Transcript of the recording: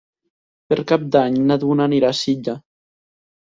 Per Cap d'Any na Duna anirà a Silla.